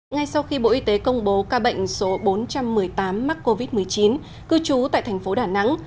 ngay sau khi bộ y tế công bố ca bệnh số bốn trăm một mươi tám mắc covid một mươi chín cư trú tại thành phố đà nẵng